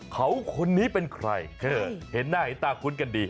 เขาคนนี้เป็นใครเห็นหน้าเห็นตาคุ้นกันดี